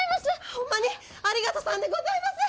ホンマにありがとさんでございます！